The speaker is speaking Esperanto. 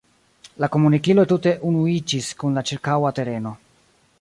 La komunikiloj tute unuiĝis kun la ĉirkaŭa tereno.